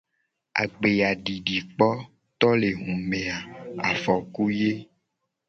Agbeyadidikpotolehume a afoku ye.